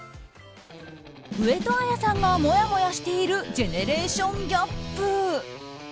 上戸彩さんがもやもやしているジェネレーションギャップ。